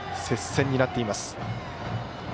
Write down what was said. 接戦になっています。